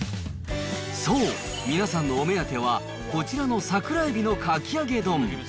そう、皆さんのお目当ては、こちらの桜えびのかき揚げ丼。